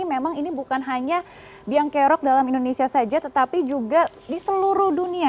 memang ini bukan hanya biangkerok dalam indonesia saja tetapi juga di seluruh dunia